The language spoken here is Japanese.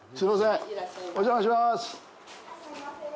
すいません。